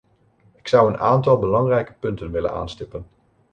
Ik zou een aantal belangrijke punten willen aanstippen.